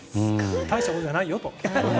大したことじゃないよと。